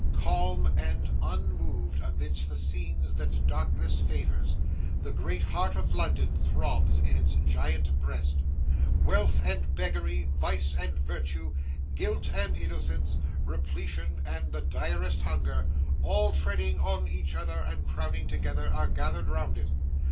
Calm and unmoved amidst the scenes that darkness favours, the great heart of London throbs in its Giant breast. Wealth and beggary, vice and virtue, guilt and innocence, repletion and the direst hunger, all treading on each other and crowding together, are gathered round it.